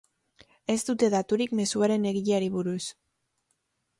Ez dute daturik mezuaren egileari buruz.